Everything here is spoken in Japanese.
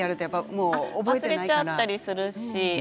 忘れちゃったりするし。